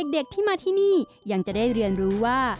เด็กที่มาที่นี่ยังจะได้เรียนรู้ว่า